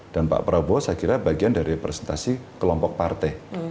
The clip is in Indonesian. dan pak prabowo saya kira bagian dari representasi kelompok partai